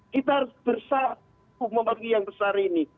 kita harus besar untuk membangun yang besar ini